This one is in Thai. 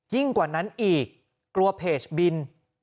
กว่านั้นอีกกลัวเพจบิน